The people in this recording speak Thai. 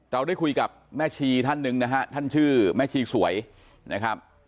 เราได้คุยกับแม่ชีท่านหนึ่งนะฮะท่านชื่อแม่ชีสวยนะครับ